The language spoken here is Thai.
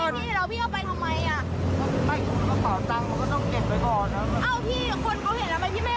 น้ำมะน้ำ